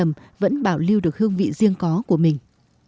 trầm vẫn bảo lưu được hương vị riêng có của mình